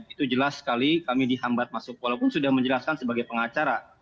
itu jelas sekali kami dihambat masuk walaupun sudah menjelaskan sebagai pengacara